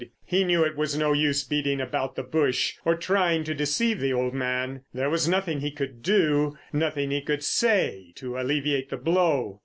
He knew it was no use beating about the bush or trying to deceive the old man. There was nothing he could do, nothing he could say to alleviate the blow.